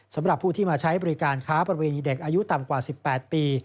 สำหรับผู้ที่มาใช้บริการค้าประเวณีเด็กอายุต่ำกว่า๑๘ปี